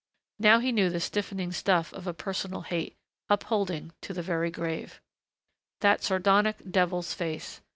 Now he knew the stiffening stuff of a personal hate, upholding to the very grave.... That sardonic, devil's face....